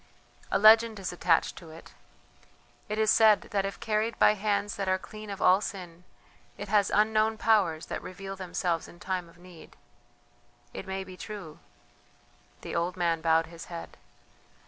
"A legend is attached to it: it is said that if carried by hands that are clean of all sin it has unknown powers that reveal themselves in time of need. It may be true ..." the old man bowed his head....